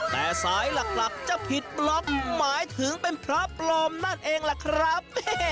แต่สายหลักจะผิดบล็อกหมายถึงเป็นพระปลอมนั่นเองล่ะครับ